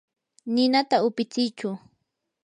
ninata upitsichu.